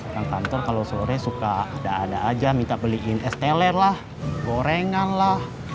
kan kantor kalau sore suka ada ada aja minta beliin esteler lah gorengan lah